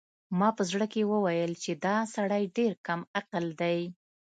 ما په زړه کې وویل چې دا سړی ډېر کم عقل دی.